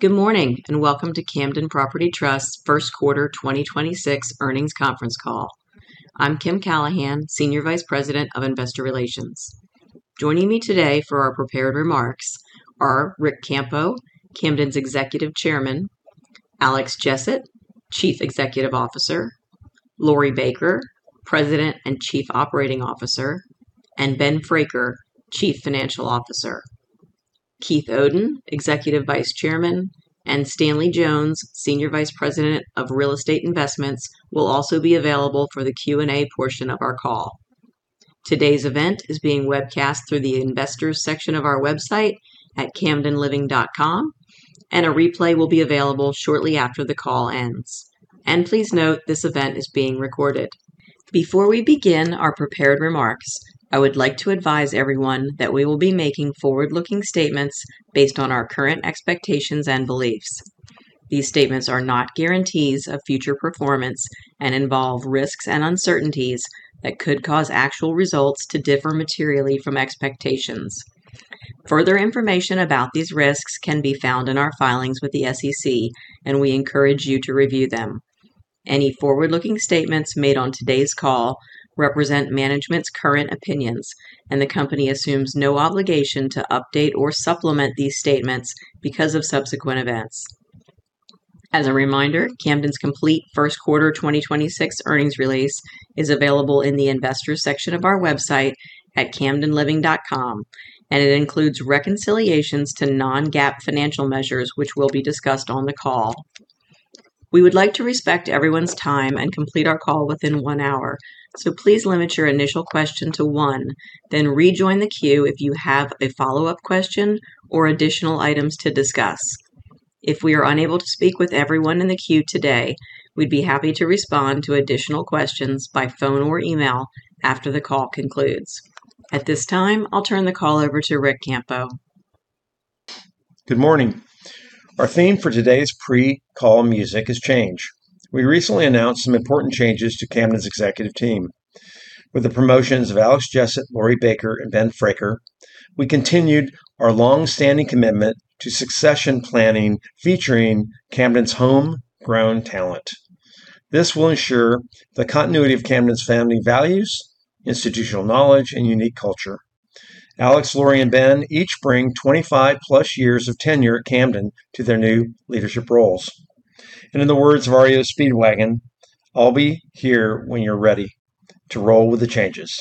Good morning, welcome to Camden Property Trust First Quarter 2026 Earnings Conference Call. I'm Kim Callahan, Senior Vice President of Investor Relations. Joining me today for our prepared remarks are Ric Campo, Camden's Executive Chairman; Alex Jessett, Chief Executive Officer; Laurie Baker, President and Chief Operating Officer; and Ben Fraker, Chief Financial Officer. Keith Oden, Executive Vice Chairman, and Stanley Jones, Senior Vice President of Real Estate Investments, will also be available for the Q&A portion of our call. Today's event is being webcast through the Investors section of our website at camdenliving.com, a replay will be available shortly after the call ends. Please note, this event is being recorded. Before we begin our prepared remarks, I would like to advise everyone that we will be making forward-looking statements based on our current expectations and beliefs. These statements are not guarantees of future performance and involve risks and uncertainties that could cause actual results to differ materially from expectations. Further information about these risks can be found in our filings with the SEC, and we encourage you to review them. Any forward-looking statements made on today's call represent management's current opinions, and the company assumes no obligation to update or supplement these statements because of subsequent events. As a reminder, Camden's complete first quarter 2026 earnings release is available in the Investors section of our website at camdenliving.com, and it includes reconciliations to non-GAAP financial measures, which will be discussed on the call. We would like to respect everyone's time and complete our call within one hour, so please limit your initial question to one, then rejoin the queue if you have a follow-up question or additional items to discuss. If we are unable to speak with everyone in the queue today, we'd be happy to respond to additional questions by phone or email after the call concludes. At this time, I'll turn the call over to Ric Campo. Good morning. Our theme for today's pre-call music is change. We recently announced some important changes to Camden's executive team. With the promotions of Alex Jessett, Laurie Baker, and Ben Fraker, we continued our long-standing commitment to succession planning, featuring Camden's homegrown talent. This will ensure the continuity of Camden's family values, institutional knowledge, and unique culture. Alex, Laurie, and Ben each bring 25+ years of tenure at Camden to their new leadership roles. In the words of REO Speedwagon, "I'll be here when you're ready to roll with the changes."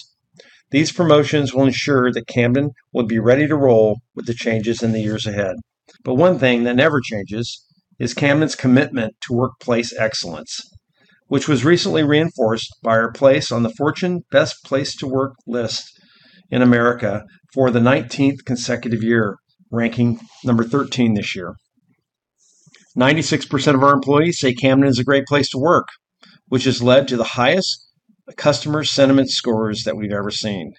These promotions will ensure that Camden will be ready to roll with the changes in the years ahead. One thing that never changes is Camden's commitment to workplace excellence, which was recently reinforced by our place on the Fortune Best Place to Work List in America for the 19th consecutive year, ranking number 13 this year. 96% of our employees say Camden is a great place to work, which has led to the highest customer sentiment scores that we've ever seen.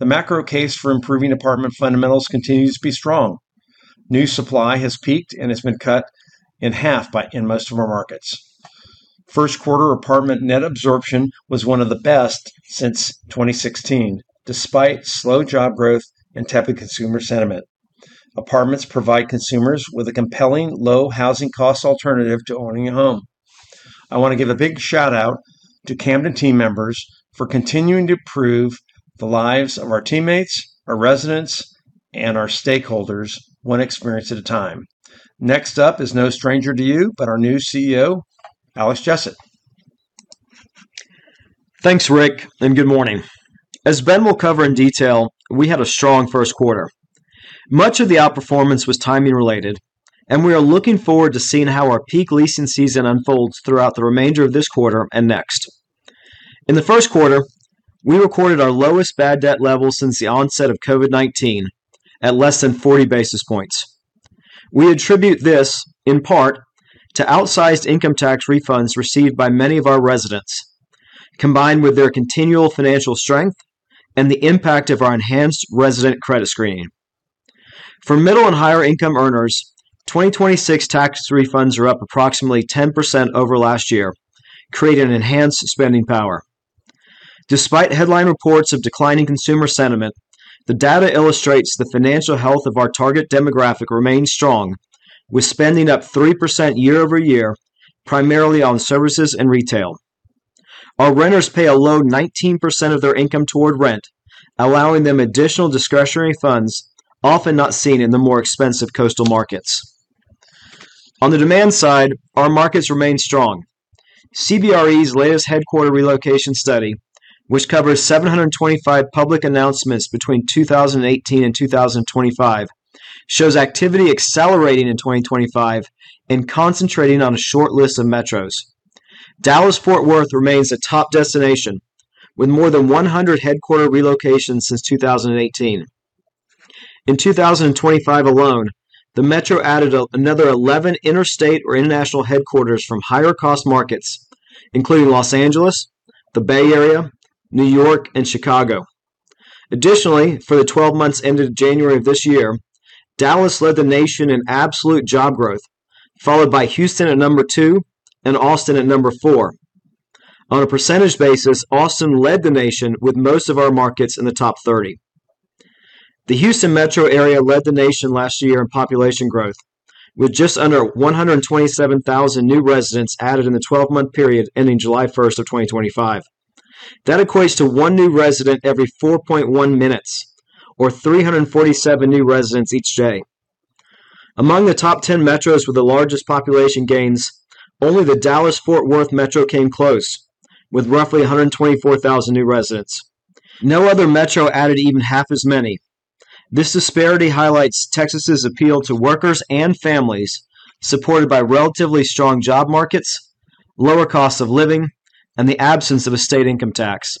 The macro case for improving apartment fundamentals continues to be strong. New supply has peaked and has been cut in half in most of our markets. First quarter apartment net absorption was one of the best since 2016, despite slow job growth and tepid consumer sentiment. Apartments provide consumers with a compelling low housing cost alternative to owning a home. I wanna give a big shout-out to Camden team members for continuing to improve the lives of our teammates, our residents, and our stakeholders one experience at a time. Next up is no stranger to you, but our new CEO, Alex Jessett. Thanks, Ric, and good morning. As Ben will cover in detail, we had a strong first quarter. Much of the outperformance was timing related, and we are looking forward to seeing how our peak leasing season unfolds throughout the remainder of this quarter and next. In the first quarter, we recorded our lowest bad debt level since the onset of COVID-19 at less than 40 basis points. We attribute this in part to outsized income tax refunds received by many of our residents, combined with their continual financial strength and the impact of our enhanced resident credit screening. For middle and higher income earners, 2026 tax refunds are up approximately 10% over last year, creating an enhanced spending power. Despite headline reports of declining consumer sentiment, the data illustrates the financial health of our target demographic remains strong, with spending up 3% year-over-year, primarily on services and retail. Our renters pay a low 19% of their income toward rent, allowing them additional discretionary funds, often not seen in the more expensive coastal markets. On the demand side, our markets remain strong. CBRE's latest headquarter relocation study, which covers 725 public announcements between 2018 and 2025, shows activity accelerating in 2025 and concentrating on a short list of metros. Dallas-Fort Worth remains the top destination with more than 100 headquarter relocations since 2018. In 2025 alone, the metro added another 11 interstate or international headquarters from higher cost markets, including Los Angeles, the Bay Area, New York, and Chicago. Additionally, for the 12 months ended January of this year, Dallas led the nation in absolute job growth, followed by Houston at number two and Austin at number four. On a percentage basis, Austin led the nation with most of our markets in the top 30. The Houston metro area led the nation last year in population growth, with just under 127,000 new residents added in the 12-month period ending July 1st of 2025. That equates to one new resident every 4.1 minutes, or 347 new residents each day. Among the top 10 metros with the largest population gains, only the Dallas-Fort Worth metro came close, with roughly 124,000 new residents. No other metro added even half as many. This disparity highlights Texas' appeal to workers and families, supported by relatively strong job markets, lower costs of living, and the absence of a state income tax.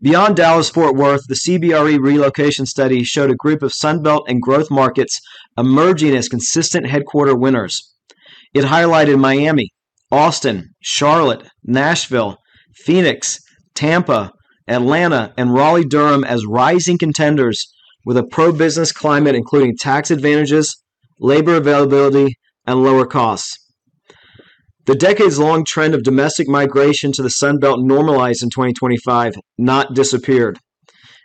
Beyond Dallas-Fort Worth, the CBRE relocation study showed a group of Sun Belt and growth markets emerging as consistent headquarter winners. It highlighted Miami, Austin, Charlotte, Nashville, Phoenix, Tampa, Atlanta, and Raleigh-Durham as rising contenders with a pro-business climate including tax advantages, labor availability, and lower costs. The decades-long trend of domestic migration to the Sun Belt normalized in 2025, not disappeared.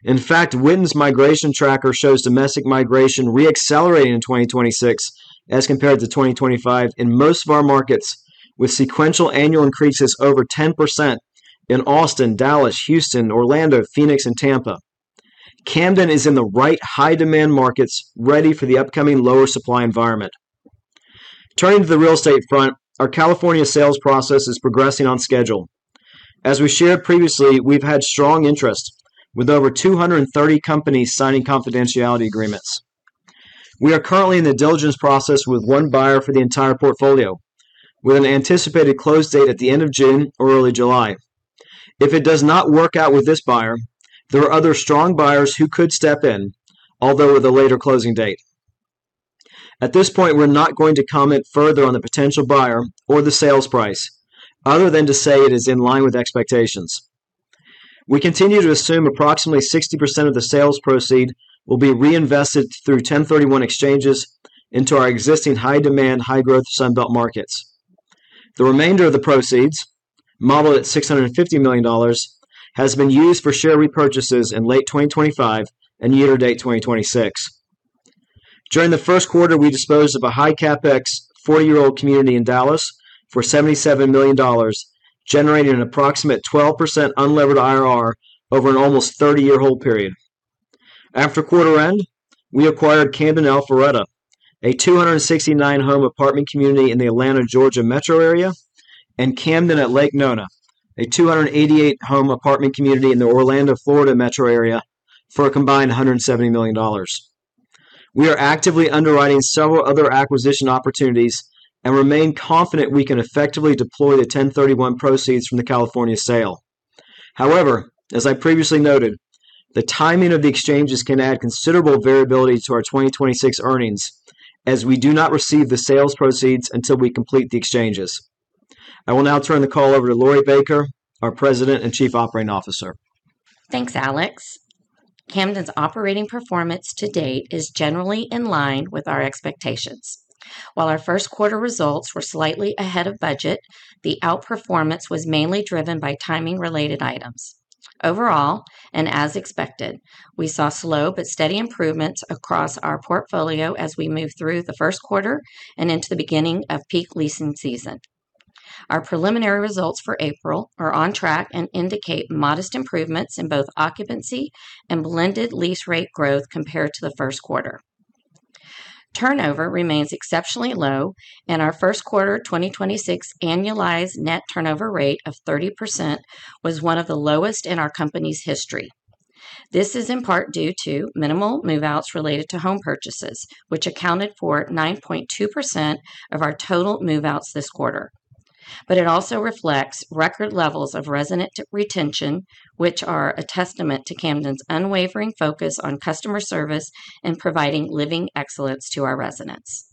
In fact, Widen's migration tracker shows domestic migration re-accelerating in 2026 as compared to 2025 in most of our markets, with sequential annual increases over 10% in Austin, Dallas, Houston, Orlando, Phoenix, and Tampa. Camden is in the right high-demand markets ready for the upcoming lower supply environment. Turning to the real estate front, our California sales process is progressing on schedule. As we shared previously, we've had strong interest, with over 230 companies signing confidentiality agreements. We are currently in the diligence process with one buyer for the entire portfolio, with an anticipated close date at the end of June or early July. If it does not work out with this buyer, there are other strong buyers who could step in, although with a later closing date. At this point, we're not going to comment further on the potential buyer or the sales price other than to say it is in line with expectations. We continue to assume approximately 60% of the sales proceed will be reinvested through 1031 exchanges into our existing high-demand, high-growth Sun Belt markets. The remainder of the proceeds, modeled at $650 million, has been used for share repurchases in late 2025 and year-to-date 2026. During the first quarter, we disposed of a high CapEx four year-old community in Dallas for $77 million, generating an approximate 12% unlevered IRR over an almost 30-year hold period. After quarter end, we acquired Camden Alpharetta, a 269-home apartment community in the Atlanta, Georgia metro area, and Camden at Lake Nona, a 288-home apartment community in the Orlando, Florida metro area, for a combined $170 million. We are actively underwriting several other acquisition opportunities and remain confident we can effectively deploy the 1031 proceeds from the California sale. As I previously noted, the timing of the exchanges can add considerable variability to our 2026 earnings as we do not receive the sales proceeds until we complete the exchanges. I will now turn the call over to Laurie Baker, our President and Chief Operating Officer. Thanks, Alex. Camden's operating performance to date is generally in line with our expectations. While our first quarter results were slightly ahead of budget, the outperformance was mainly driven by timing-related items. Overall, and as expected, we saw slow but steady improvements across our portfolio as we moved through the first quarter and into the beginning of peak leasing season. Our preliminary results for April are on track and indicate modest improvements in both occupancy and blended lease rate growth compared to the first quarter. Turnover remains exceptionally low, and our first quarter 2026 annualized net turnover rate of 30% was one of the lowest in our company's history. This is in part due to minimal move-outs related to home purchases, which accounted for 9.2% of our total move-outs this quarter. It also reflects record levels of resident retention, which are a testament to Camden's unwavering focus on customer service and providing living excellence to our residents.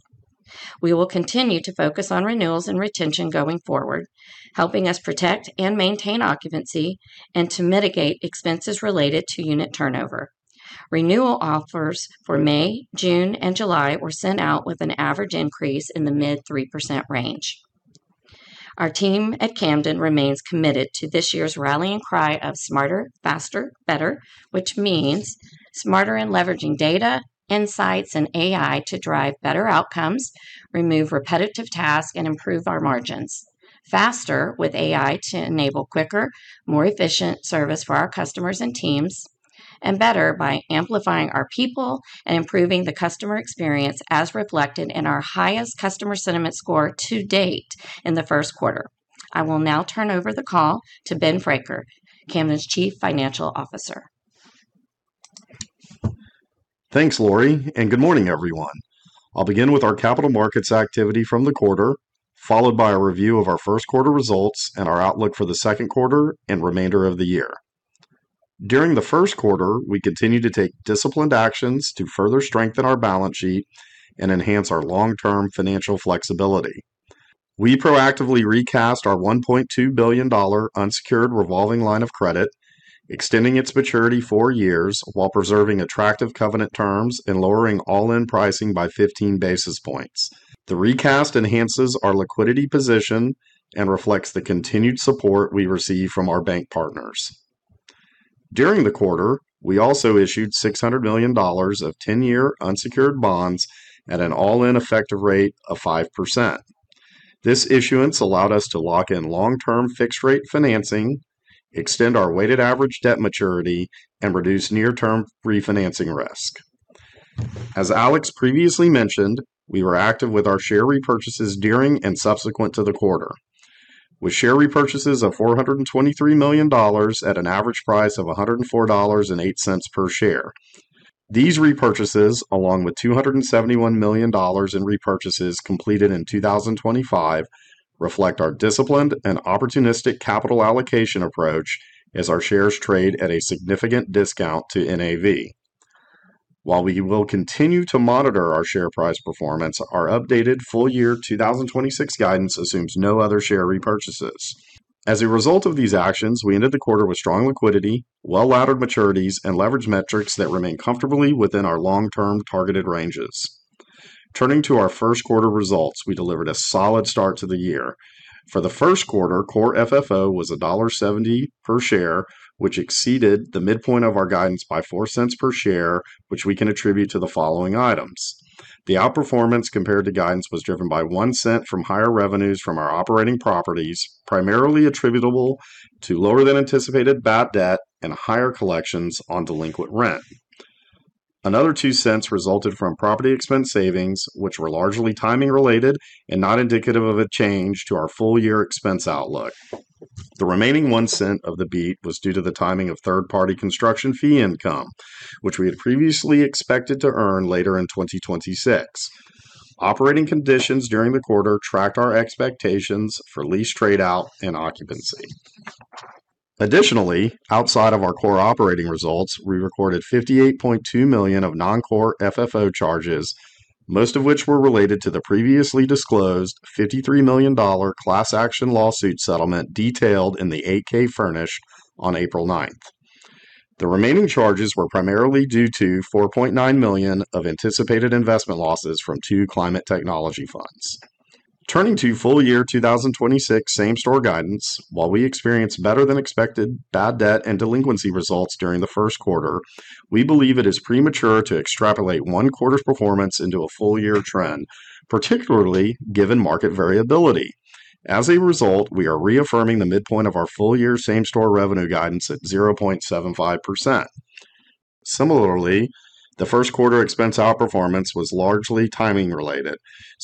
We will continue to focus on renewals and retention going forward, helping us protect and maintain occupancy and to mitigate expenses related to unit turnover. Renewal offers for May, June, and July were sent out with an average increase in the mid 3% range. Our team at Camden remains committed to this year's rallying cry of smarter, faster, better, which means smarter in leveraging data, insights, and AI to drive better outcomes, remove repetitive tasks, and improve our margins. Faster with AI to enable quicker, more efficient service for our customers and teams. Better by amplifying our people and improving the customer experience as reflected in our highest customer sentiment score to date in the first quarter. I will now turn over the call to Ben Fraker, Camden's Chief Financial Officer. Thanks, Laurie, good morning, everyone. I'll begin with our capital markets activity from the quarter, followed by a review of our first quarter results and our outlook for the second quarter and remainder of the year. During the first quarter, we continued to take disciplined actions to further strengthen our balance sheet and enhance our long-term financial flexibility. We proactively recast our $1.2 billion unsecured revolving line of credit, extending its maturity four years while preserving attractive covenant terms and lowering all-in pricing by 15 basis points. The recast enhances our liquidity position and reflects the continued support we receive from our bank partners. During the quarter, we also issued $600 million of 10-year unsecured bonds at an all-in effective rate of 5%. This issuance allowed us to lock in long-term fixed rate financing, extend our weighted average debt maturity, and reduce near-term refinancing risk. As Alex previously mentioned, we were active with our share repurchases during and subsequent to the quarter. With share repurchases of $423 million at an average price of $104.08 per share. These repurchases, along with $271 million in repurchases completed in 2025, reflect our disciplined and opportunistic capital allocation approach as our shares trade at a significant discount to NAV. While we will continue to monitor our share price performance, our updated full year 2026 guidance assumes no other share repurchases. As a result of these actions, we ended the quarter with strong liquidity, well-laddered maturities, and leverage metrics that remain comfortably within our long-term targeted ranges. Turning to our first quarter results, we delivered a solid start to the year. For the first quarter, Core FFO was $1.70 per share, which exceeded the midpoint of our guidance by $0.04 per share, which we can attribute to the following items. The outperformance compared to guidance was driven by $0.01 from higher revenues from our operating properties, primarily attributable to lower than anticipated bad debt and higher collections on delinquent rent. Another $0.02 resulted from property expense savings, which were largely timing related and not indicative of a change to our full year expense outlook. The remaining $0.01 of the beat was due to the timing of third-party construction fee income, which we had previously expected to earn later in 2026. Operating conditions during the quarter tracked our expectations for lease trade out and occupancy. Additionally, outside of our core operating results, we recorded $58.2 million of non-core FFO charges, most of which were related to the previously disclosed $53 million class action lawsuit settlement detailed in the 8-K furnish on April 9th. The remaining charges were primarily due to $4.9 million of anticipated investment losses from two climate technology funds. Turning to full year 2026 same-store guidance, while we experience better than expected bad debt and delinquency results during the first quarter, we believe it is premature to extrapolate one quarter's performance into a full year trend, particularly given market variability. As a result, we are reaffirming the midpoint of our full year same-store revenue guidance at 0.75%. Similarly, the first quarter expense outperformance was largely timing related.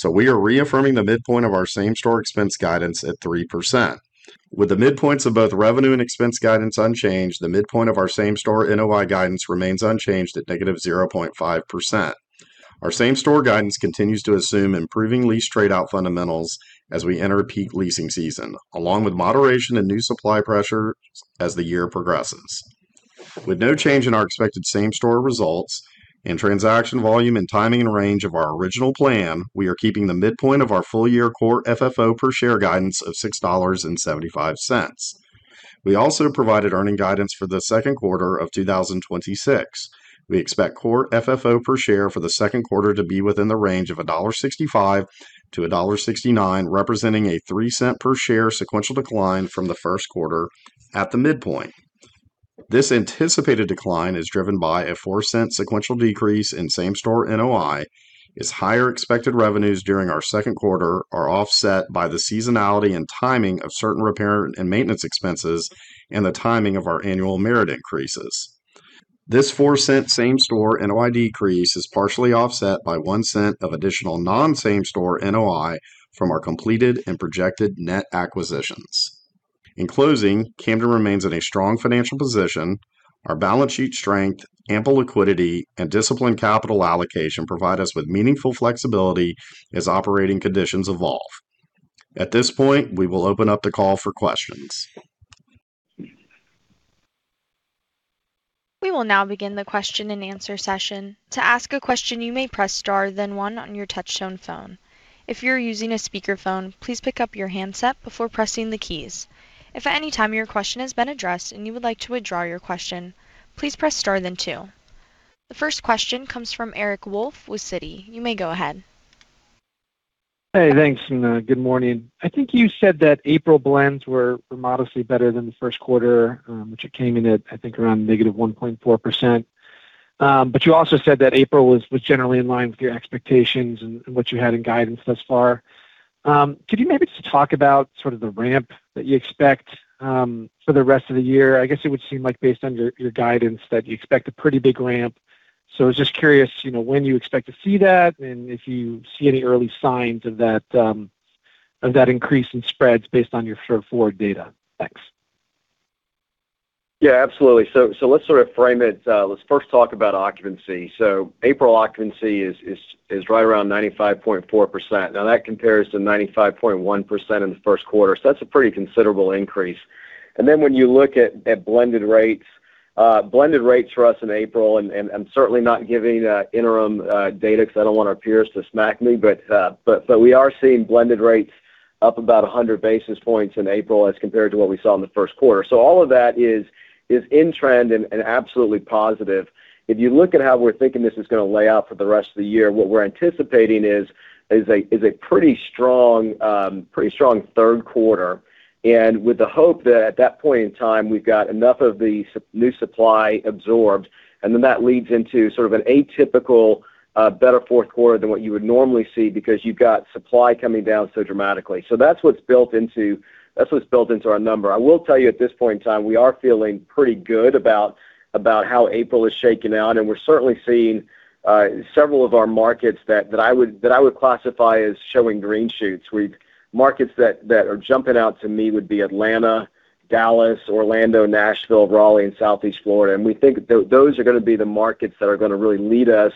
We are reaffirming the midpoint of our same-store expense guidance at 3%. With the midpoints of both revenue and expense guidance unchanged, the midpoint of our same-store NOI guidance remains unchanged at -0.5%. Our same-store guidance continues to assume improving lease trade out fundamentals as we enter peak leasing season, along with moderation and new supply pressures as the year progresses. With no change in our expected same-store results and transaction volume and timing and range of our original plan, we are keeping the midpoint of our full year Core FFO per share guidance of $6.75. We also provided earnings guidance for the second quarter of 2026. We expect Core FFO per share for the second quarter to be within the range of $1.65-$1.69, representing a $0.03 per share sequential decline from the first quarter at the midpoint. This anticipated decline is driven by a $0.04 sequential decrease in same-store NOI, as higher expected revenues during our second quarter are offset by the seasonality and timing of certain repair and maintenance expenses and the timing of our annual merit increases. This $0.04 same-store NOI decrease is partially offset by $0.01 of additional non-same-store NOI from our completed and projected net acquisitions. In closing, Camden remains in a strong financial position. Our balance sheet strength, ample liquidity, and disciplined capital allocation provide us with meaningful flexibility as operating conditions evolve. At this point, we will open up the call for questions. We will now begin the question-and-answer session. To ask a question, you may press star then one on your touchtone phone. If you're using a speakerphone, please pick up your handset before pressing the keys. If at any time your question has been addressed and you would like to withdraw your question, please press star then two. The first question comes from Eric Wolfe with Citi. You may go ahead. Hey, thanks, good morning. I think you said that April blends were modestly better than the first quarter, which it came in at, I think, around -1.4%. You also said that April was generally in line with your expectations and what you had in guidance thus far. Could you maybe just talk about sort of the ramp that you expect for the rest of the year? I guess it would seem like based on your guidance that you expect a pretty big ramp. I was just curious, you know, when you expect to see that, and if you see any early signs of that increase in spreads based on your forward data. Thanks. Yeah, absolutely. Let's sort of frame it. Let's first talk about occupancy. April occupancy is right around 95.4%. That compares to 95.1% in the first quarter. That's a pretty considerable increase. When you look at blended rates, blended rates for us in April, I'm certainly not giving interim data because I don't want our peers to smack me, we are seeing blended rates Up about 100 basis points in April as compared to what we saw in the first quarter. All of that is in trend and absolutely positive. If you look at how we're thinking this is gonna lay out for the rest of the year, what we're anticipating is a pretty strong third quarter. With the hope that at that point in time, we've got enough of the new supply absorbed, and then that leads into sort of an atypical better fourth quarter than what you would normally see because you've got supply coming down so dramatically. That's what's built into our number. I will tell you at this point in time, we are feeling pretty good about how April is shaking out, and we're certainly seeing several of our markets that I would classify as showing green shoots. Markets that are jumping out to me would be Atlanta, Dallas, Orlando, Nashville, Raleigh, and Southeast Florida. We think those are gonna be the markets that are gonna really lead us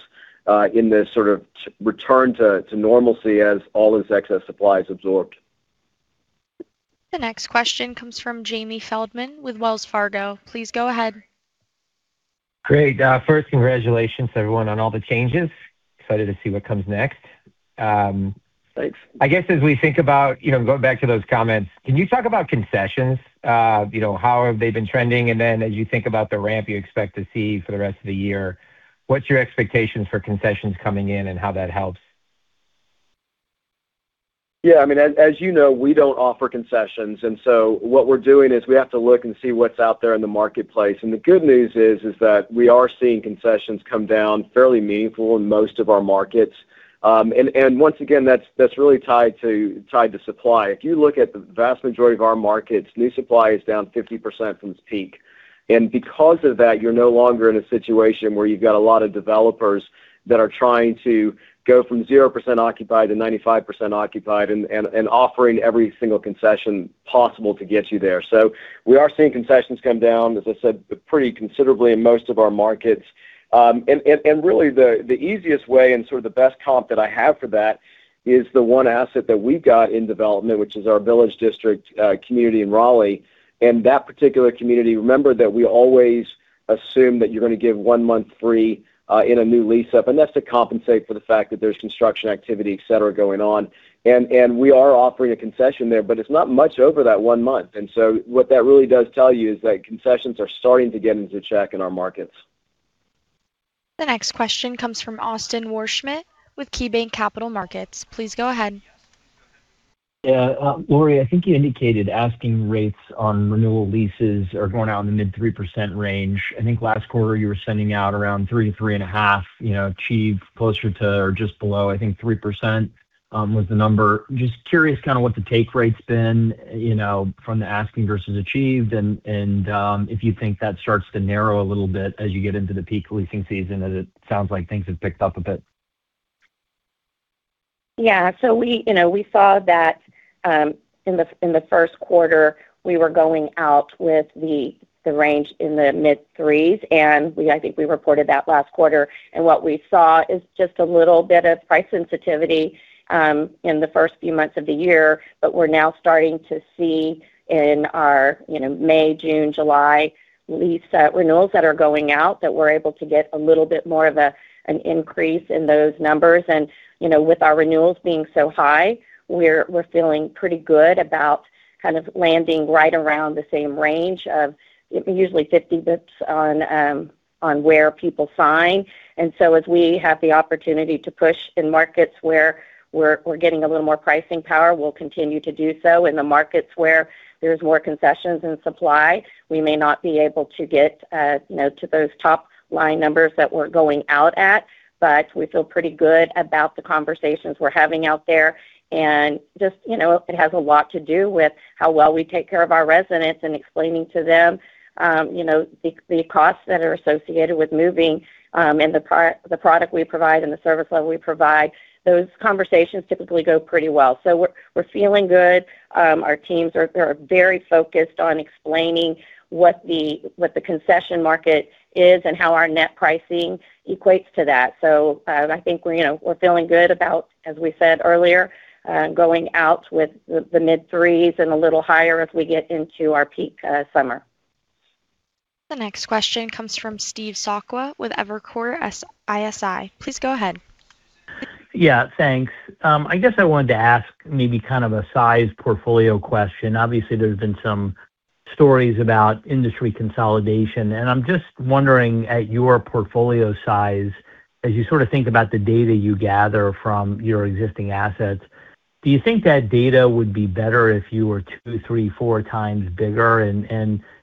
in this sort of return to normalcy as all this excess supply is absorbed. The next question comes from Jamie Feldman with Wells Fargo. Please go ahead. Great. First, congratulations, everyone, on all the changes. Excited to see what comes next. Thanks. I guess, as we think about, you know, going back to those comments, can you talk about concessions? You know, how have they been trending? As you think about the ramp you expect to see for the rest of the year, what's your expectations for concessions coming in and how that helps? I mean, as you know, we don't offer concessions. What we're doing is we have to look and see what's out there in the marketplace. The good news is that we are seeing concessions come down fairly meaningful in most of our markets. Once again, that's really tied to supply. If you look at the vast majority of our markets, new supply is down 50% from its peak. Because of that, you're no longer in a situation where you've got a lot of developers that are trying to go from 0% occupied to 95% occupied and offering every single concession possible to get you there. We are seeing concessions come down, as I said, pretty considerably in most of our markets. Really the easiest way and sort of the best comp that I have for that is the one asset that we've got in development, which is our Village District community in Raleigh. That particular community, remember that we always assume that you're gonna give one month free in a new lease-up, and that's to compensate for the fact that there's construction activity, et cetera, going on. We are offering a concession there, but it's not much over that one month. What that really does tell you is that concessions are starting to get into check in our markets. The next question comes from Austin Wurschmidt with KeyBanc Capital Markets. Please go ahead. Yeah. Laurie, I think you indicated asking rates on renewal leases are going out in the mid-3% range. I think last quarter you were sending out around 3%, 3.5%, you know, achieved closer to or just below, I think, 3% was the number. Just curious kind of what the take rate's been, you know, from the asking versus achieved and, if you think that starts to narrow a little bit as you get into the peak leasing season, as it sounds like things have picked up a bit. Yeah. We saw that in the first quarter, we were going out with the range in the mid-3%s, and I think we reported that last quarter. What we saw is just a little bit of price sensitivity in the first few months of the year. We're now starting to see in our, you know, May, June, July lease renewals that are going out that we're able to get a little bit more of an increase in those numbers. You know, with our renewals being so high, we're feeling pretty good about kind of landing right around the same range of usually 50 basis points on where people sign. As we have the opportunity to push in markets where we're getting a little more pricing power, we'll continue to do so. In the markets where there's more concessions and supply, we may not be able to get, you know, to those top-line numbers that we're going out at. We feel pretty good about the conversations we're having out there. Just, you know, it has a lot to do with how well we take care of our residents and explaining to them, you know, the costs that are associated with moving, and the product we provide and the service level we provide. Those conversations typically go pretty well. We're, we're feeling good. Our teams are, they are very focused on explaining what the concession market is and how our net pricing equates to that. I think we're, you know, we're feeling good about, as we said earlier, going out with the mid-3%s and a little higher as we get into our peak summer. The next question comes from Steve Sakwa with Evercore ISI. Please go ahead. Yeah. Thanks. I guess I wanted to ask maybe kind of a size portfolio question. Obviously, there's been some stories about industry consolidation. I'm just wondering, at your portfolio size, as you sort of think about the data you gather from your existing assets, do you think that data would be better if you were 2x, 3x, 4x bigger?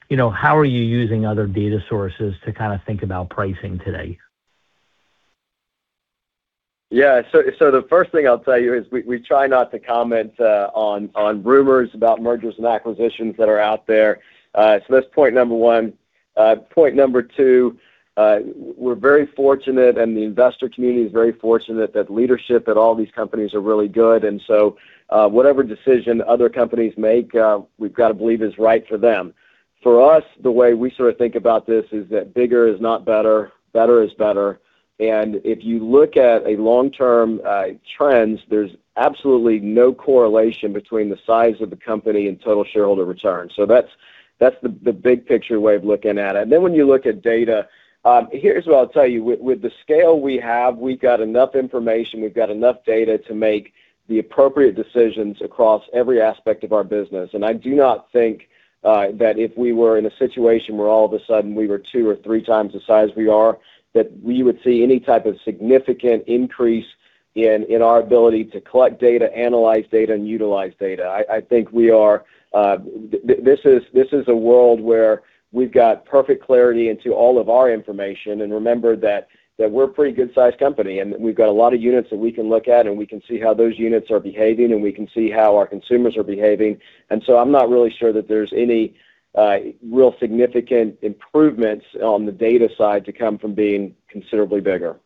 You know, how are you using other data sources to kind of think about pricing today? The first thing I'll tell you is we try not to comment on rumors about mergers and acquisitions that are out there. That's point number one. Point number two, we're very fortunate, and the investor community is very fortunate that leadership at all these companies are really good. Whatever decision other companies make, we've got to believe is right for them. For us, the way we sort of think about this is that bigger is not better. Better is better. If you look at a long-term trends, there's absolutely no correlation between the size of the company and total shareholder return. That's the big picture way of looking at it. When you look at data, here's what I'll tell you. With the scale we have, we've got enough information, we've got enough data to make the appropriate decisions across every aspect of our business. I do not think that if we were in a situation where all of a sudden we were 2x or 3x the size we are, that we would see any type of significant increase in our ability to collect data, analyze data, and utilize data. I think this is a world where we've got perfect clarity into all of our information. Remember that we're a pretty good sized company, and we've got a lot of units that we can look at, and we can see how those units are behaving, and we can see how our consumers are behaving. I'm not really sure that there's any real significant improvements on the data side to come from being considerably bigger.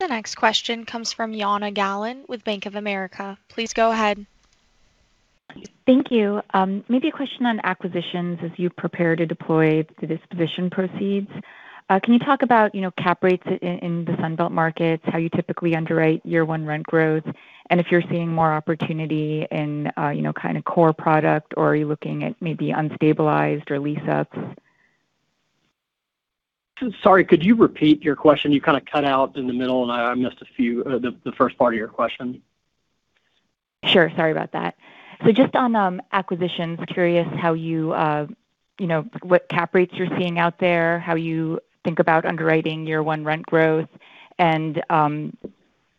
The next question comes from Jana Galan with Bank of America. Please go ahead. Thank you. Maybe a question on acquisitions as you prepare to deploy the disposition proceeds. Can you talk about, you know, cap rates in the Sunbelt markets, how you typically underwrite year one rent growth? If you're seeing more opportunity in, you know, kind of core product, or are you looking at maybe unstabilized or lease ups? Sorry, could you repeat your question? You kind of cut out in the middle, and I missed the first part of your question. Sure. Sorry about that. Just on acquisitions, curious how you know, what cap rates you're seeing out there, how you think about underwriting year one rent growth.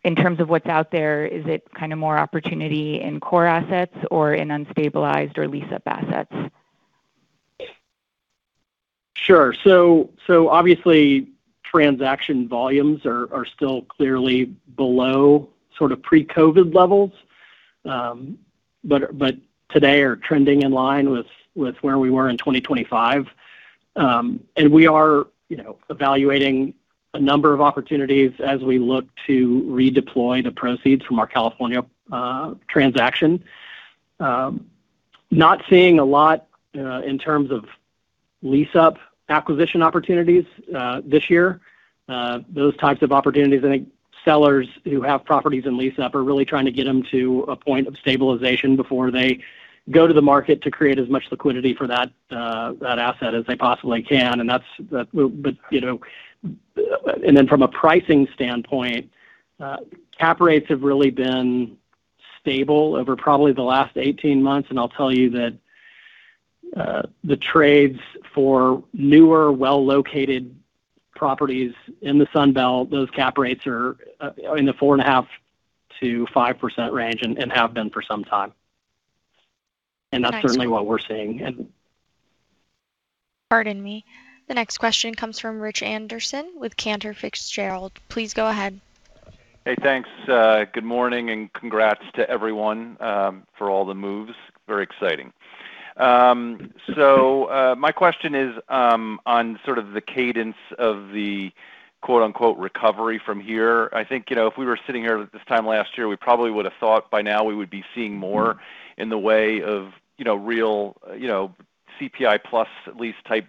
In terms of what's out there, is it kind of more opportunity in core assets or in unstabilized or lease-up assets? Sure. Obviously, transaction volumes are still clearly below sort of pre-COVID levels. Today are trending in line with where we were in 2025. We are, you know, evaluating a number of opportunities as we look to redeploy the proceeds from our California transaction. Not seeing a lot in terms of lease-up acquisition opportunities this year. Those types of opportunities, I think sellers who have properties in lease-up are really trying to get them to a point of stabilization before they go to the market to create as much liquidity for that asset as they possibly can. But, you know. Then from a pricing standpoint, cap rates have really been stable over probably the last 18 months. I'll tell you that the trades for newer, well-located properties in the Sun Belt, those cap rates are in the 4.5%-5% range and have been for some time. Thanks. That's certainly what we're seeing. Pardon me. The next question comes from Rich Anderson with Cantor Fitzgerald. Please go ahead. Hey, thanks. Good morning, congrats to everyone for all the moves. Very exciting. My question is on sort of the cadence of the "recovery from here." I think, you know, if we were sitting here this time last year, we probably would have thought by now we would be seeing more in the way of, you know, real, you know, CPI plus lease type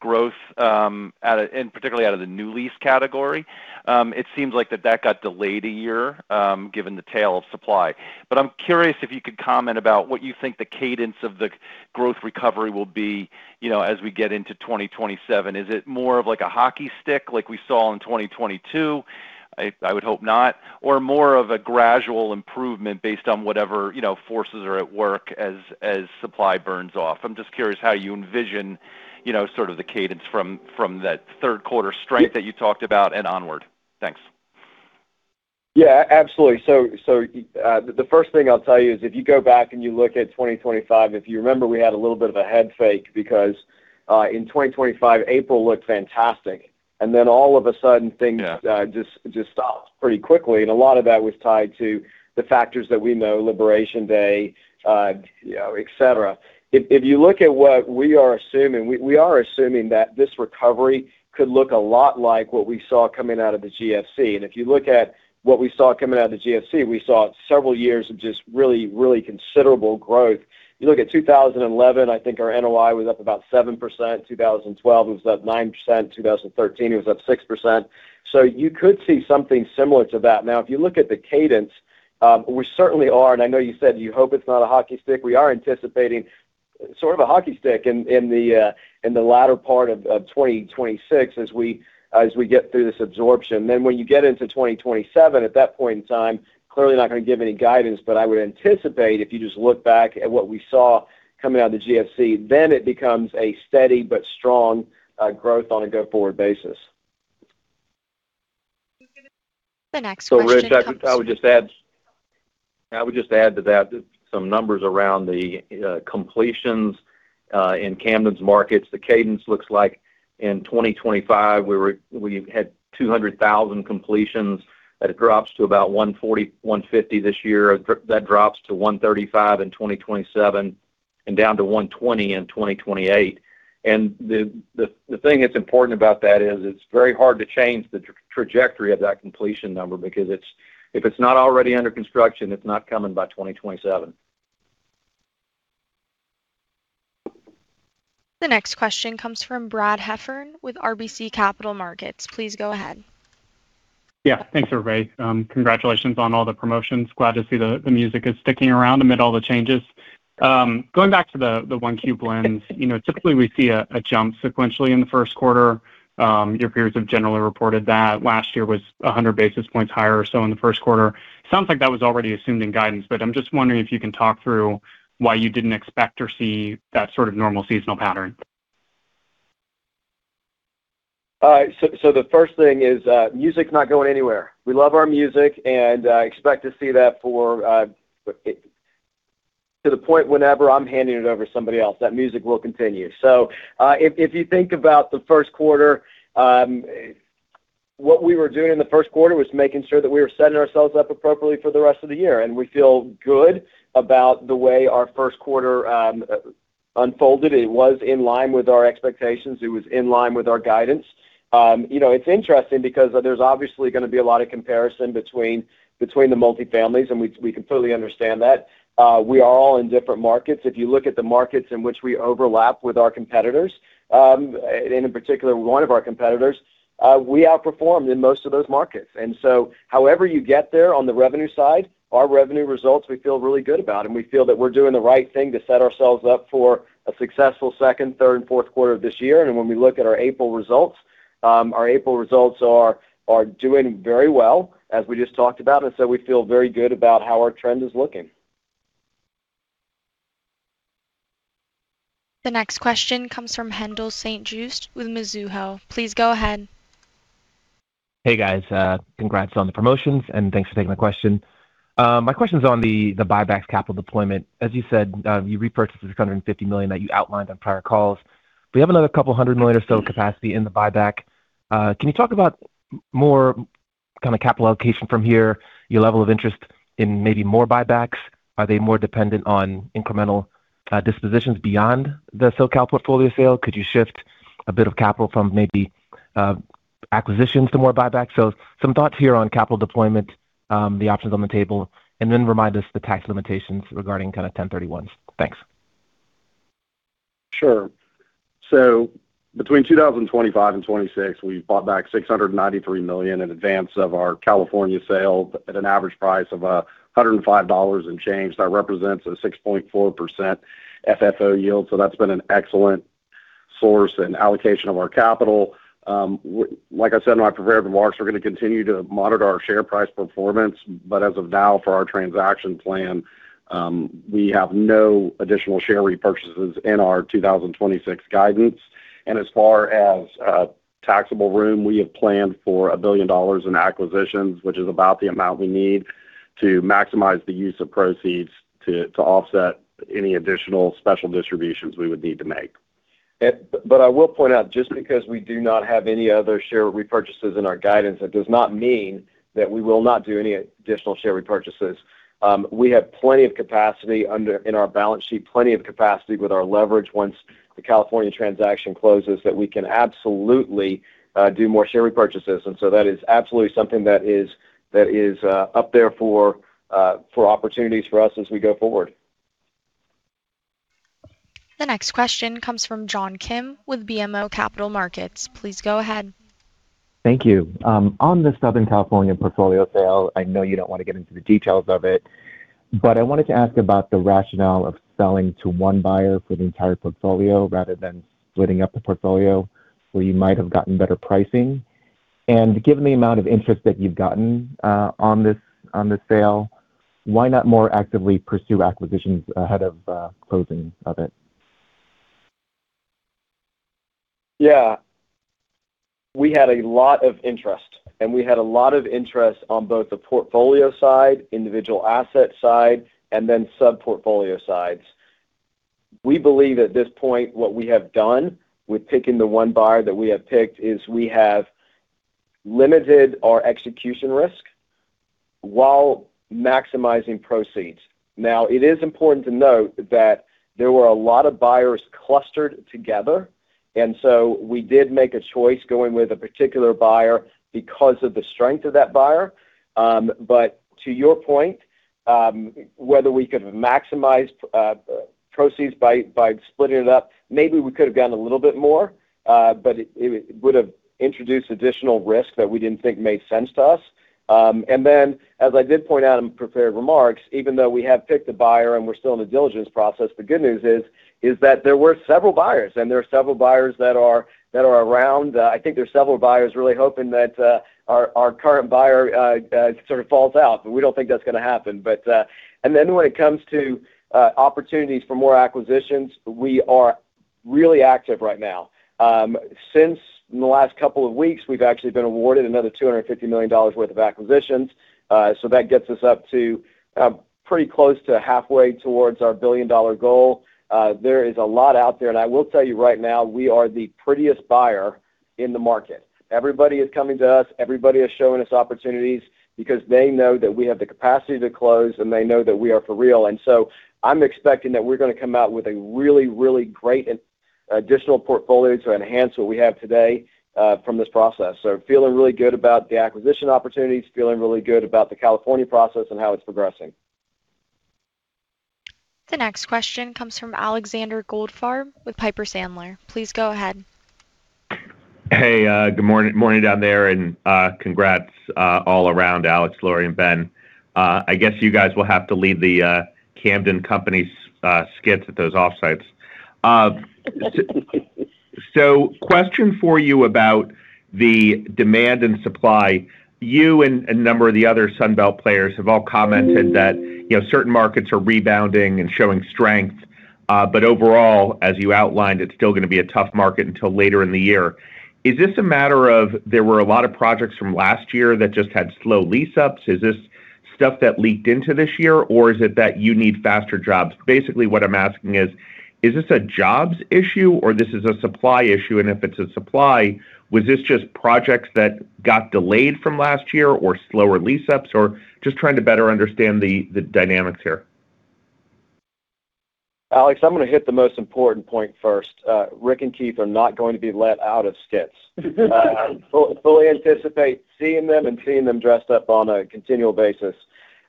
growth, particularly out of the new lease category. It seems like that got delayed a year given the tail of supply. I'm curious if you could comment about what you think the cadence of the growth recovery will be, you know, as we get into 2027. Is it more of like a hockey stick like we saw in 2022? I would hope not. More of a gradual improvement based on whatever, you know, forces are at work as supply burns off. I'm just curious how you envision, you know, sort of the cadence from that third quarter strength that you talked about and onward? Thanks. Yeah, absolutely. The first thing I'll tell you is if you go back and you look at 2025, if you remember, we had a little bit of a head fake because, in 2025, April looked fantastic, and then all of a sudden things just stopped pretty quickly. A lot of that was tied to the factors that we know, Liberation Day, you know, et cetera. If you look at what we are assuming, we are assuming that this recovery could look a lot like what we saw coming out of the GFC. If you look at what we saw coming out of the GFC, we saw several years of just really considerable growth. You look at 2011, I think our NOI was up about 7%. 2012, it was up 9%. 2013, it was up 6%. You could see something similar to that. Now, if you look at the cadence, we certainly are, and I know you said you hope it's not a hockey stick. We are anticipating sort of a hockey stick in the latter part of 2026 as we get through this absorption. When you get into 2027, at that point in time, clearly not gonna give any guidance, but I would anticipate if you just look back at what we saw coming out of the GFC, it becomes a steady but strong growth on a go-forward basis. Rich, I would just add to that some numbers around the completions in Camden's markets. The cadence looks like in 2025, we had 200,000 completions. That drops to about 140, 150 this year. That drops to 135 in 2027 and down to 120 in 2028. The thing that's important about that is it's very hard to change the trajectory of that completion number because if it's not already under construction, it's not coming by 2027. The next question comes from Brad Heffern with RBC Capital Markets. Please go ahead. Thanks, Ric. Congratulations on all the promotions. Glad to see the music is sticking around amid all the changes. Going back to the Q1 lens. You know, typically we see a jump sequentially in the first quarter. Your peers have generally reported that last year was 100 basis points higher or so in the first quarter. Sounds like that was already assumed in guidance, but I'm just wondering if you can talk through why you didn't expect or see that sort of normal seasonal pattern. The first thing is, music's not going anywhere. We love our music, I expect to see that for to the point whenever I'm handing it over to somebody else, that music will continue. If you think about the first quarter, what we were doing in the first quarter was making sure that we were setting ourselves up appropriately for the rest of the year, we feel good about the way our first quarter unfolded. It was in line with our expectations. It was in line with our guidance. You know, it's interesting because there's obviously gonna be a lot of comparison between the multi-families, we completely understand that. We are all in different markets. If you look at the markets in which we overlap with our competitors, and in particular one of our competitors, we outperformed in most of those markets. However you get there on the revenue side, our revenue results, we feel really good about, and we feel that we're doing the right thing to set ourselves up for a successful second, third, and fourth quarter of this year. When we look at our April results, our April results are doing very well, as we just talked about, and so we feel very good about how our trend is looking. The next question comes from Haendel St. Juste with Mizuho. Please go ahead. Hey, guys. Congrats on the promotions, thanks for taking my question. My question's on the buyback capital deployment. As you said, you repurchased this $150 million that you outlined on prior calls. We have another $200 million or so capacity in the buyback. Can you talk about more kind of capital allocation from here, your level of interest in maybe more buybacks? Are they more dependent on incremental dispositions beyond the SoCal portfolio sale? Could you shift a bit of capital from maybe acquisitions to more buybacks? Some thoughts here on capital deployment, the options on the table, then remind us the tax limitations regarding kind of 1031s. Thanks. Sure. Between 2025 and 2026, we bought back $693 million in advance of our California sale at an average price of $105 and change. That represents a 6.4% FFO yield, that's been an excellent source and allocation of our capital. Like I said in my prepared remarks, we're gonna continue to monitor our share price performance, as of now, for our transaction plan, we have no additional share repurchases in our 2026 guidance. As far as taxable room, we have planned for $1 billion in acquisitions, which is about the amount we need to maximize the use of proceeds to offset any additional special distributions we would need to make. I will point out, just because we do not have any other share repurchases in our guidance, that does not mean that we will not do any additional share repurchases. We have plenty of capacity in our balance sheet, plenty of capacity with our leverage once the California transaction closes, that we can absolutely do more share repurchases. That is absolutely something that is up there for opportunities for us as we go forward. The next question comes from John Kim with BMO Capital Markets. Please go ahead. Thank you. On the Southern California portfolio sale, I know you don't wanna get into the details of it, but I wanted to ask about the rationale of selling to one buyer for the entire portfolio rather than splitting up the portfolio, where you might have gotten better pricing. Given the amount of interest that you've gotten on this sale, why not more actively pursue acquisitions ahead of closing of it? Yeah. We had a lot of interest, and we had a lot of interest on both the portfolio side, individual asset side, and then sub-portfolio sides. We believe at this point what we have done with picking the one buyer that we have picked is we have limited our execution risk while maximizing proceeds. It is important to note that there were a lot of buyers clustered together. We did make a choice going with a particular buyer because of the strength of that buyer. To your point, whether we could have maximized proceeds by splitting it up, maybe we could have gotten a little bit more, but it would've introduced additional risk that we didn't think made sense to us. Then, as I did point out in prepared remarks, even though we have picked a buyer and we're still in the diligence process, the good news is that there were several buyers, and there are several buyers that are around. I think there's several buyers really hoping that our current buyer sort of falls out, but we don't think that's gonna happen. Then when it comes to opportunities for more acquisitions, we are really active right now. Since in the last couple of weeks, we've actually been awarded another $250 million worth of acquisitions. That gets us up to pretty close to halfway towards our $1 billion goal. There is a lot out there, and I will tell you right now, we are the prettiest buyer in the market. Everybody is coming to us. Everybody is showing us opportunities because they know that we have the capacity to close, and they know that we are for real. I'm expecting that we're gonna come out with a really, really great additional portfolio to enhance what we have today from this process. Feeling really good about the acquisition opportunities, feeling really good about the California process and how it's progressing. The next question comes from Alexander Goldfarb with Piper Sandler. Please go ahead. Hey, good morning down there, congrats all around Alex, Laurie, and Ben. I guess you guys will have to lead the Camden company's skits at those offsites. Question for you about the demand and supply. You and a number of the other Sunbelt players have all commented that, you know, certain markets are rebounding and showing strength. Overall, as you outlined, it's still gonna be a tough market until later in the year. Is this a matter of there were a lot of projects from last year that just had slow lease-ups? Is this stuff that leaked into this year, or is it that you need faster jobs? Basically, what I'm asking is this a jobs issue or this is a supply issue? If it's a supply, was this just projects that got delayed from last year or slower lease-ups, or just trying to better understand the dynamics here? Alex, I'm gonna hit the most important point first. Ric and Keith are not going to be let out of skits. Fully anticipate seeing them and seeing them dressed up on a continual basis.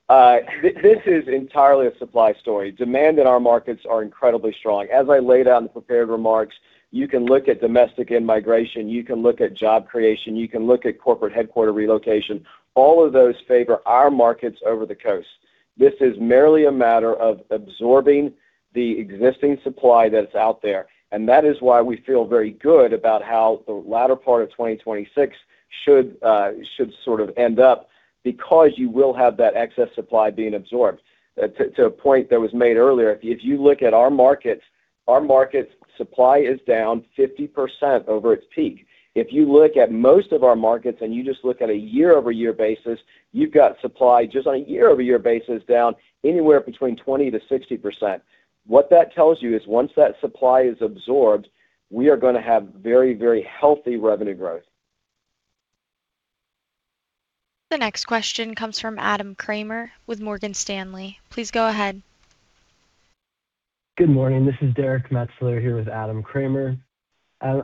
This is entirely a supply story. Demand in our markets are incredibly strong. As I laid out in the prepared remarks, you can look at domestic in-migration, you can look at job creation, you can look at corporate headquarter relocation. All of those favor our markets over the coast. This is merely a matter of absorbing the existing supply that's out there, and that is why we feel very good about how the latter part of 2026 should sort of end up because you will have that excess supply being absorbed. To a point that was made earlier, if you look at our markets, our markets supply is down 50% over its peak. If you look at most of our markets and you just look at a year-over-year basis, you've got supply just on a year-over-year basis down anywhere between 20%-60%. What that tells you is once that supply is absorbed, we are gonna have very, very healthy revenue growth. The next question comes from Adam Kramer with Morgan Stanley. Please go ahead. Good morning. This is Derrick Metzler here with Adam Kramer.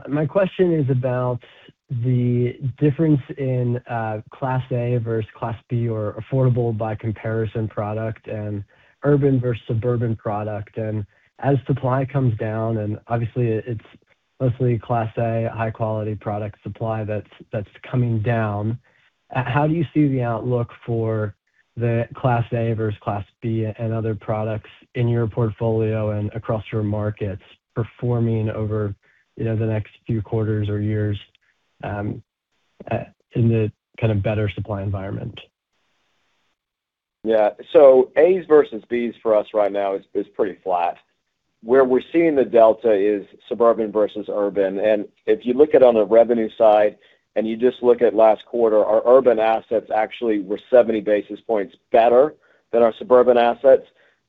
My question is about the difference in Class A versus Class B or affordable by comparison product and urban versus suburban product. As supply comes down, and obviously it's mostly Class A high-quality product supply that's coming down, how do you see the outlook for the Class A versus Class B and other products in your portfolio and across your markets performing over, you know, the next few quarters or years in the kind of better supply environment? A's versus B's for us right now is pretty flat. Where we're seeing the delta is suburban versus urban. If you look at on the revenue side and you just look at last quarter, our urban assets actually were 70 basis points better than our suburban assets.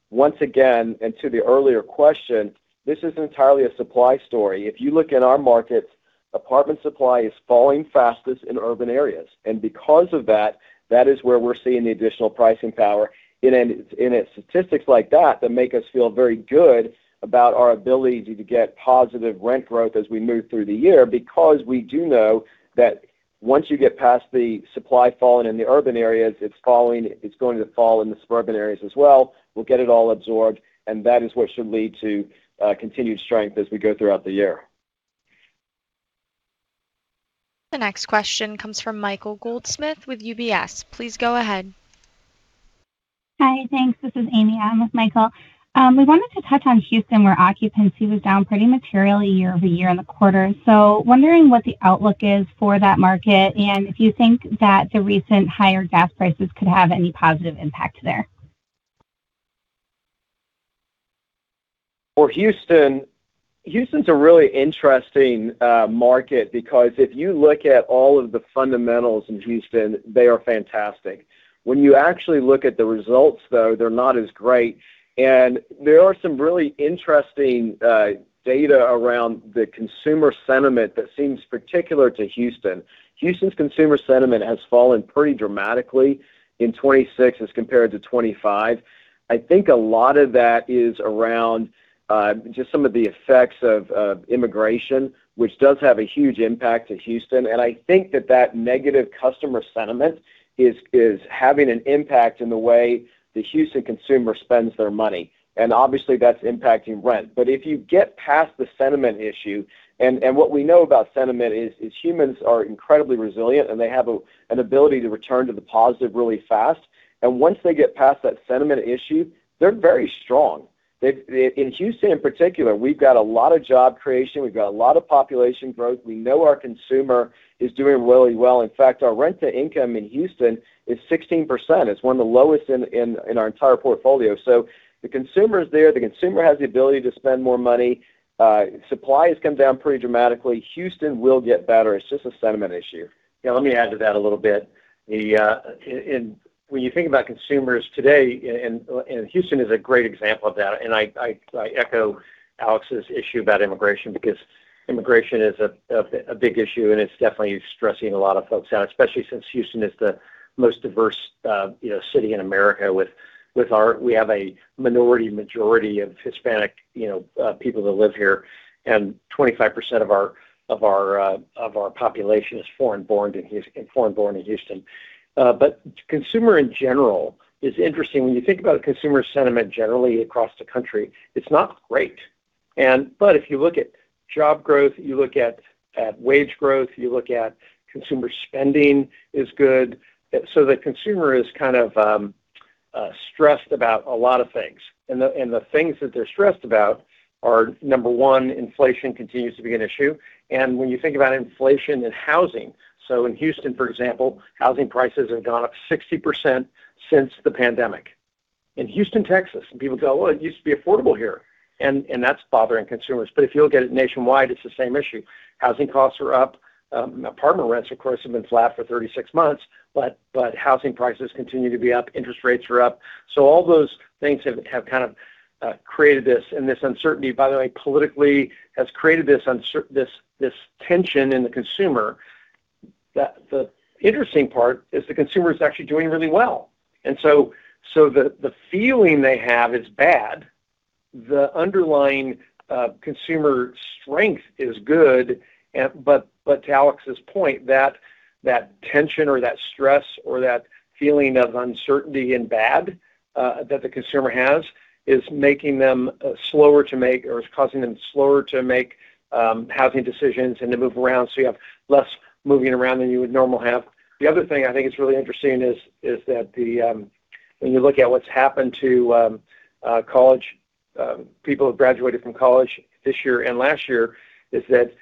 Once again, to the earlier question, this is entirely a supply story. If you look in our markets, apartment supply is falling fastest in urban areas, because of that is where we're seeing the additional pricing power. It's statistics like that that make us feel very good about our ability to get positive rent growth as we move through the year because we do know that once you get past the supply falling in the urban areas, it's going to fall in the suburban areas as well. We'll get it all absorbed, and that is what should lead to continued strength as we go throughout the year. The next question comes from Michael Goldsmith with UBS. Please go ahead. Hi, thanks. This is Ami on with Michael. We wanted to touch on Houston, where occupancy was down pretty materially year-over-year in the quarter. Wondering what the outlook is for that market and if you think that the recent higher gas prices could have any positive impact there. Houston's a really interesting market because if you look at all of the fundamentals in Houston, they are fantastic. When you actually look at the results, they're not as great. There are some really interesting data around the consumer sentiment that seems particular to Houston. Houston's consumer sentiment has fallen pretty dramatically in 2026 as compared to 2025. I think a lot of that is around just some of the effects of immigration, which does have a huge impact to Houston. I think that that negative customer sentiment is having an impact in the way the Houston consumer spends their money, and obviously, that's impacting rent. If you get past the sentiment issue, and what we know about sentiment is humans are incredibly resilient, and they have an ability to return to the positive really fast. Once they get past that sentiment issue, they're very strong. In Houston, in particular, we've got a lot of job creation. We've got a lot of population growth. We know our consumer is doing really well. In fact, our rent-to-income in Houston is 16%. It's one of the lowest in our entire portfolio. The consumer is there. The consumer has the ability to spend more money. Supply has come down pretty dramatically. Houston will get better. It's just a sentiment issue. Yeah, let me add to that a little bit. When you think about consumers today, Houston is a great example of that. I echo Alex's issue about immigration because immigration is a big issue, and it's definitely stressing a lot of folks out, especially since Houston is the most diverse, you know, city in America. We have a minority majority of Hispanic, you know, people that live here, and 25% of our population is foreign-born in Houston. Consumer in general is interesting. When you think about consumer sentiment generally across the country, it's not great. If you look at job growth, you look at wage growth, you look at consumer spending is good. The consumer is kind of stressed about a lot of things. The things that they're stressed about are, number one, inflation continues to be an issue. When you think about inflation and housing, in Houston, for example, housing prices have gone up 60% since the pandemic. In Houston, Texas, people go, "Well, it used to be affordable here." That's bothering consumers. If you look at it nationwide, it's the same issue. Housing costs are up. Apartment rents, of course, have been flat for 36 months, but housing prices continue to be up, interest rates are up. All those things have kind of created this, and this uncertainty, by the way, politically has created this tension in the consumer. The interesting part is the consumer is actually doing really well. The feeling they have is bad. The underlying consumer strength is good, but to Alex's point, that tension or that stress or that feeling of uncertainty and bad that the consumer has is making them slower to make or is causing them slower to make housing decisions and to move around, so you have less moving around than you would normally have. The other thing I think is really interesting is that when you look at what's happened to people who have graduated from college this year and last year, is that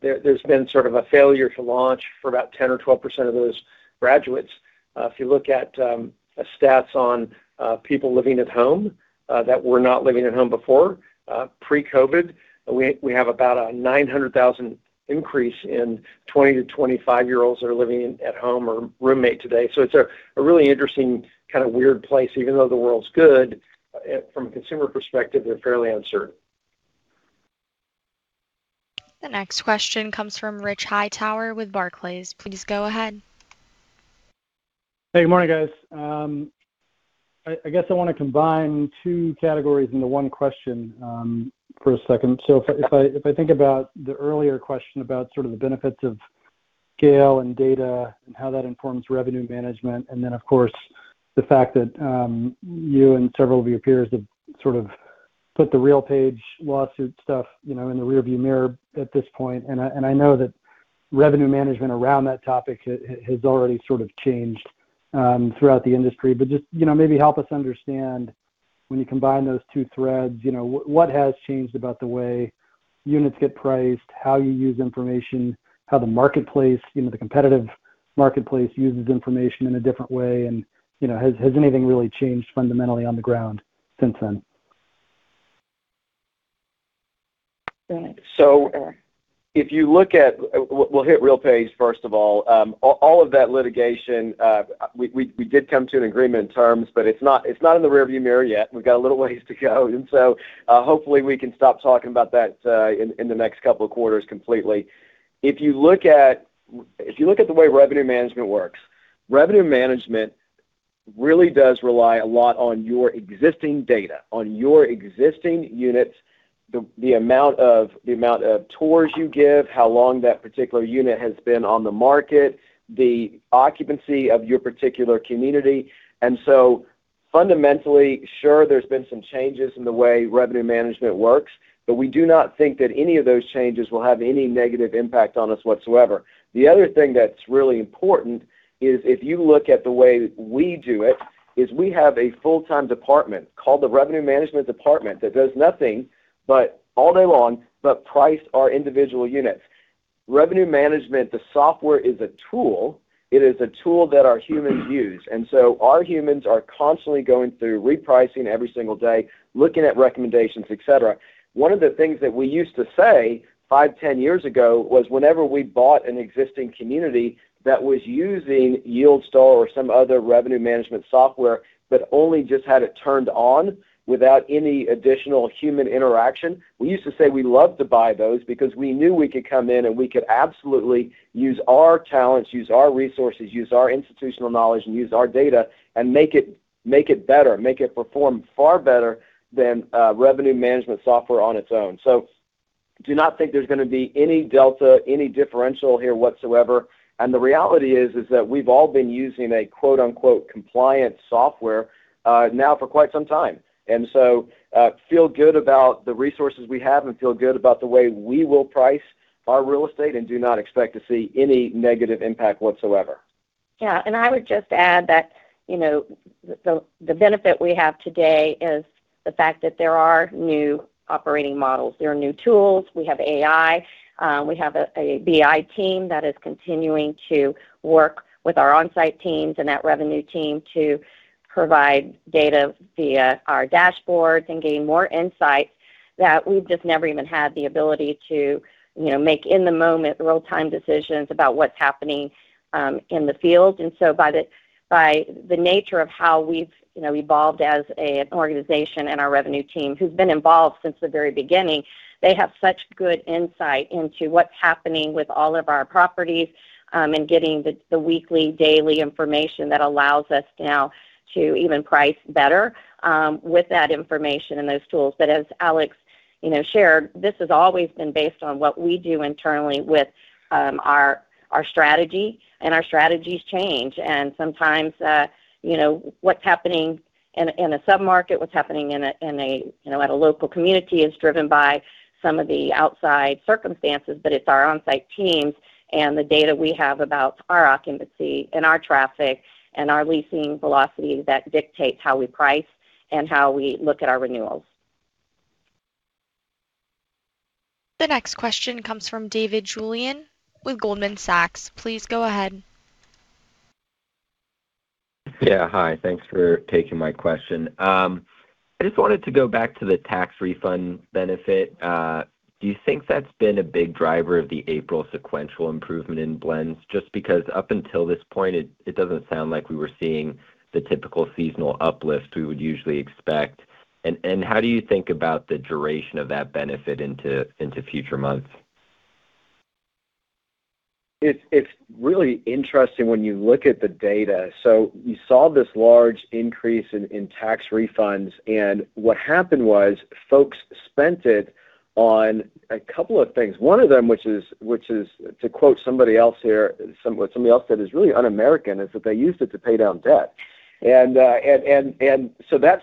there's been sort of a failure to launch for about 10% or 12% of those graduates. If you look at stats on people living at home that were not living at home before pre-COVID, we have about a 900,000 increase in 20 to 25-year-olds that are living at home or roommate today. It's a really interesting kind of weird place. Even though the world's good from a consumer perspective, they're fairly uncertain. The next question comes from Rich Hightower with Barclays. Please go ahead. Hey, good morning, guys. I guess I want to combine two categories into one question for a second. If I think about the earlier question about sort of the benefits of scale and data and how that informs revenue management, of course, the fact that you and several of your peers have sort of put the RealPage lawsuit stuff, you know, in the rearview mirror at this point. I know that revenue management around that topic has already sort of changed throughout the industry. Just, you know, maybe help us understand when you combine those two threads, you know, what has changed about the way units get priced, how you use information, how the marketplace, you know, the competitive marketplace uses information in a different way, and, you know, has anything really changed fundamentally on the ground since then? If you look at, we'll hit RealPage, first of all. All of that litigation, we did come to an agreement in terms, but it's not, it's not in the rearview mirror yet. We've got a little ways to go. Hopefully, we can stop talking about that in the next couple of quarters completely. If you look at, if you look at the way revenue management works, revenue management really does rely a lot on your existing data, on your existing units, the amount of tours you give, how long that particular unit has been on the market, the occupancy of your particular community. Fundamentally, sure, there's been some changes in the way revenue management works, but we do not think that any of those changes will have any negative impact on us whatsoever. The other thing that's really important is if you look at the way we do it, is we have a full-time department called the Revenue Management Department that does nothing but all day long, but price our individual units. Revenue management, the software is a tool. It is a tool that our humans use. Our humans are constantly going through repricing every single day, looking at recommendations, et cetera. One of the things that we used to say 5, 10 years ago, was whenever we bought an existing community that was using YieldStar or some other revenue management software, but only just had it turned on without any additional human interaction, we used to say we love to buy those because we knew we could come in and we could absolutely use our talents, use our resources, use our institutional knowledge, and use our data and make it, make it better, make it perform far better than revenue management software on its own. Do not think there's gonna be any delta, any differential here whatsoever. The reality is that we've all been using a quote-unquote compliant software now for quite some time. Feel good about the resources we have and feel good about the way we will price our real estate and do not expect to see any negative impact whatsoever. Yeah. I would just add that, you know, the, the benefit we have today is the fact that there are new operating models. There are new tools. We have AI. We have a BI team that is continuing to work with our on-site teams and that revenue team to provide data via our dashboards and gain more insights that we've just never even had the ability to, you know, make in the moment real-time decisions about what's happening in the field. By the nature of how we've, you know, evolved as an organization and our revenue team who's been involved since the very beginning, they have such good insight into what's happening with all of our properties, and getting the weekly, daily information that allows us now to even price better with that information and those tools. As Alex, you know, shared, this has always been based on what we do internally with our strategy, and our strategies change. Sometimes, you know, what's happening in a submarket, what's happening in a local community is driven by some of the outside circumstances, but it's our on-site teams and the data we have about our occupancy and our traffic and our leasing velocity that dictates how we price and how we look at our renewals. The next question comes from David Julien with Goldman Sachs. Please go ahead. Hi. Thanks for taking my question. I just wanted to go back to the tax refund benefit. Do you think that's been a big driver of the April sequential improvement in blends? Just because up until this point, it doesn't sound like we were seeing the typical seasonal uplift we would usually expect. How do you think about the duration of that benefit into future months? It's really interesting when you look at the data. You saw this large increase in tax refunds, what happened was folks spent it on a couple of things. One of them, which is, to quote somebody else here, what somebody else said is really un-American, is that they used it to pay down debt. That's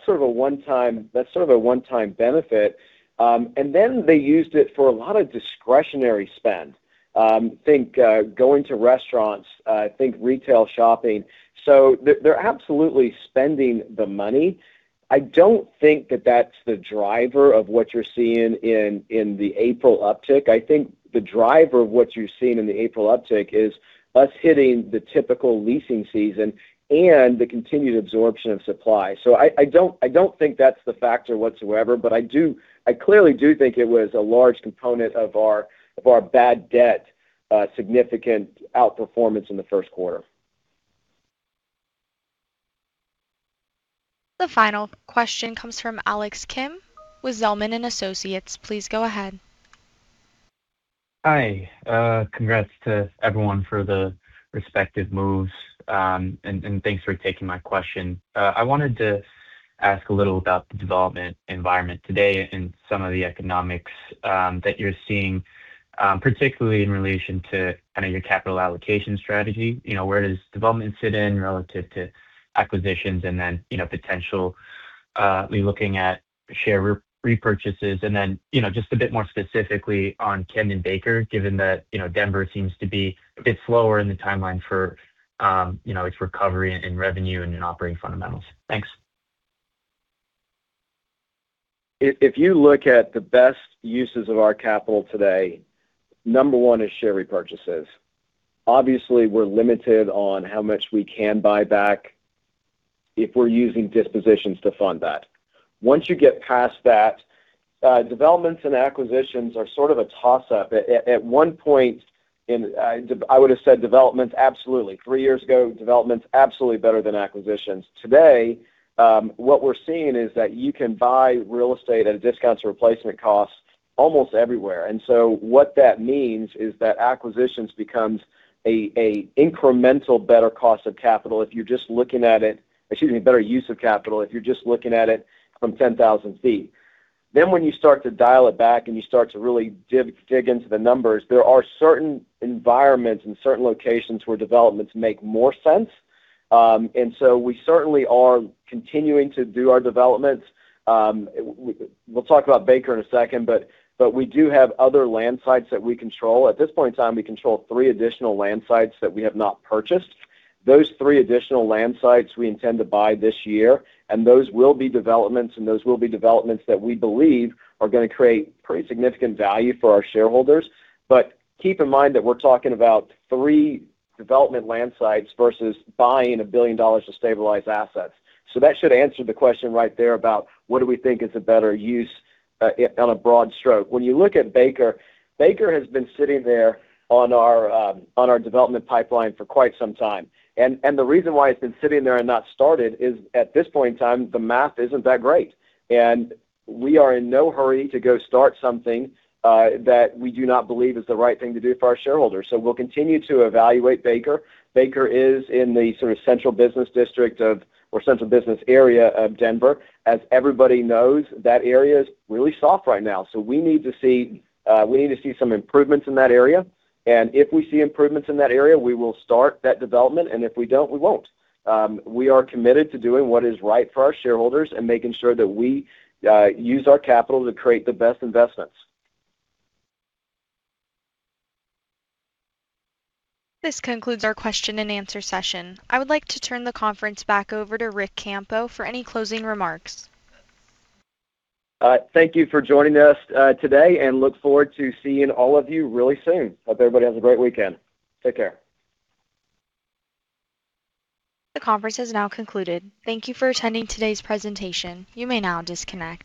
sort of a one-time benefit. They used it for a lot of discretionary spend, think going to restaurants, think retail shopping. They're absolutely spending the money. I don't think that that's the driver of what you're seeing in the April uptick. I think the driver of what you're seeing in the April uptick is us hitting the typical leasing season and the continued absorption of supply. I don't, I don't think that's the factor whatsoever, but I clearly do think it was a large component of our bad debt, significant outperformance in the first quarter. The final question comes from Alex Kim with Zelman & Associates. Please go ahead. Hi. Congrats to everyone for the respective moves. Thanks for taking my question. I wanted to ask a little about the development environment today and some of the economics that you're seeing, particularly in relation to kind of your capital allocation strategy. You know, where does development sit in relative to acquisitions? Then, you know, potentially looking at share repurchases. Then, you know, just a bit more specifically on Camden Baker, given that, you know, Denver seems to be a bit slower in the timeline for, you know, its recovery in revenue and in operating fundamentals. Thanks. If you look at the best uses of our capital today, number 1 is share repurchases. Obviously, we're limited on how much we can buy back if we're using dispositions to fund that. Once you get past that, developments and acquisitions are sort of a toss-up. At one point I would've said developments absolutely. Three years ago, developments absolutely better than acquisitions. Today, what we're seeing is that you can buy real estate at a discount to replacement costs almost everywhere. What that means is that acquisitions becomes a incremental better cost of capital if you're just looking at it, excuse me, better use of capital, if you're just looking at it from 10,000 ft. When you start to dial it back and you start to really dig into the numbers, there are certain environments and certain locations where developments make more sense. We certainly are continuing to do our developments. We'll talk about Baker in a second, we do have other land sites that we control. At this point in time, we control three additional land sites that we have not purchased. Those three additional land sites we intend to buy this year, and those will be developments, and those will be developments that we believe are gonna create pretty significant value for our shareholders. Keep in mind that we're talking about three development land sites versus buying $1 billion of stabilized assets. That should answer the question right there about what do we think is a better use on a broad stroke. When you look at Baker has been sitting there on our development pipeline for quite some time. The reason why it's been sitting there and not started is, at this point in time, the math isn't that great, and we are in no hurry to go start something that we do not believe is the right thing to do for our shareholders. We'll continue to evaluate Baker. Baker is in the sort of central business district of or central business area of Denver. As everybody knows, that area is really soft right now, so we need to see we need to see some improvements in that area. If we see improvements in that area, we will start that development, and if we don't, we won't. We are committed to doing what is right for our shareholders and making sure that we use our capital to create the best investments. This concludes our question-and-answer session. I would like to turn the conference back over to Ric Campo for any closing remarks. Thank you for joining us today, and look forward to seeing all of you really soon. Hope everybody has a great weekend. Take care. The conference has now concluded. Thank you for attending today's presentation. You may now disconnect.